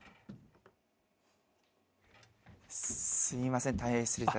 すいません。